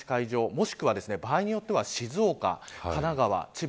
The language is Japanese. もしくは、場合によっては静岡、神奈川、千葉